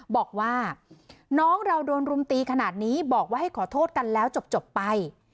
บอกว่าน้องเราโดนรุมตีขนาดนี้บอกว่าให้ขอโทษกันแล้วจบไป